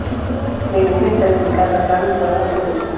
La iglesia está dedicada a san Nicolás Obispo.